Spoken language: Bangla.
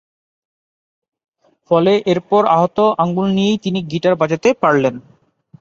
ফলে এরপর আহত আঙুল নিয়েই তিনি গীটার বাজাতে পারলেন।